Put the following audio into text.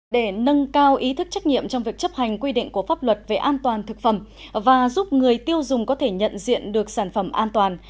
để nâng cao ý thức trách nhiệm trong việc chấp hành quy định của pháp luật về an toàn thực phẩm và giúp người tiêu dùng có thể nhận diện được sản phẩm an toàn